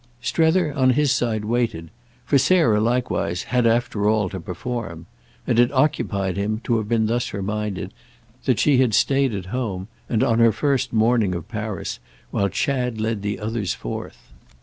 Strether on his side waited, for Sarah likewise had, after all, to perform; and it occupied him to have been thus reminded that she had stayed at home—and on her first morning of Paris—while Chad led the others forth.